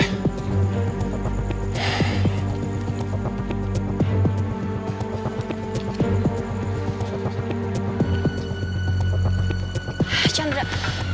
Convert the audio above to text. chandra kamu gak apa apa